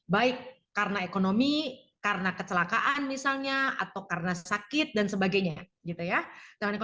baik karena ekonomi karena kecelakaan misalnya atau karena sakit dan sebagainya gitu ya